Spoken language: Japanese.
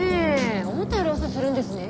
思ったより押忍するんですね。